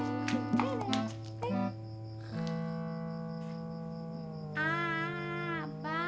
sari sari jadi gua ngantuk amat ya